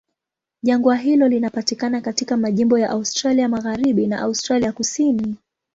Jangwa hilo linapatikana katika majimbo ya Australia Magharibi na Australia Kusini.